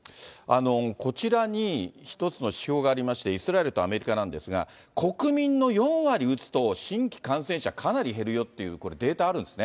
こちらに１つの指標がありまして、イスラエルとアメリカなんですが、国民の４割打つと、新規感染者かなり減るよっていう、これ、データあるんですね。